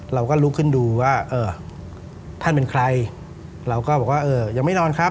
เราก็ลุกขึ้นดูว่าเออท่านเป็นใครเราก็บอกว่าเออยังไม่นอนครับ